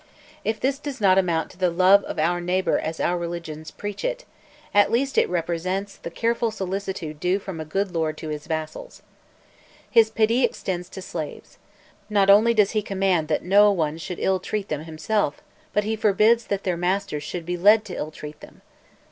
If this does not amount to the love of our neighbour as our religions preach it, at least it represents the careful solicitude due from a good lord to his vassals. His pity extends to slaves; not only does he command that no one should ill treat them himself, but he forbids that their masters should be led to ill treat them.